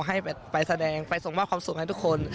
ให้ไปแสดงไปส่งมอบความสุขให้ทุกคน